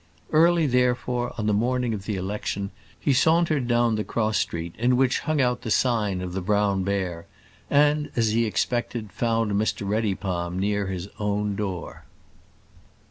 Early, therefore, on the morning of the election, he sauntered down the cross street in which hung out the sign of the Brown Bear, and, as he expected, found Mr Reddypalm near his own door.